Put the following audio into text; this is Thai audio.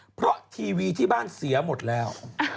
เพราะทีวีที่บ้านเสียหมดแล้ว